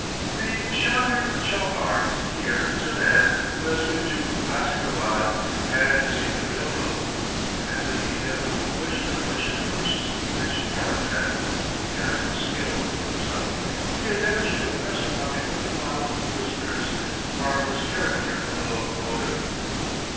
The shagird chapar here is a man who has been to Askabad and seen the railroad; and when the inevitable question of Russian versus English marifet (mechanical skill) comes up, he endeavors to impress upon the open mouthed listeners the marvellous character of the locomotive.